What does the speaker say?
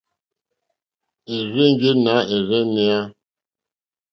Érzènjé nà ɛ́rzɛ̀nɛ́á.